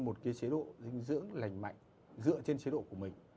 một cái chế độ dinh dưỡng lành mạnh dựa trên chế độ của mình